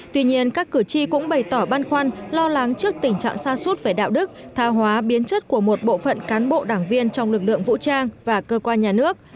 tuy nhiên các cử tri cũng bày tỏ băn khoăn lo lắng trước tình trạng xa suốt về đạo đức tha hóa biến chất của một bộ phận cán bộ đảng viên trong lực lượng vũ trang và cơ quan nhà nước